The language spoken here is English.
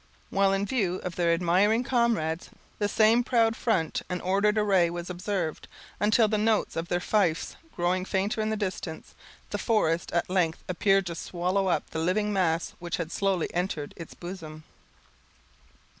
While in view of their admiring comrades, the same proud front and ordered array was observed, until the notes of their fifes growing fainter in distance, the forest at length appeared to swallow up the living mass which had slowly entered its bosom.